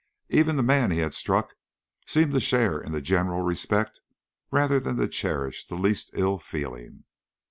Even the man he had struck seemed to share in the general respect rather than to cherish the least ill feeling.